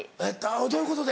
どういうことで？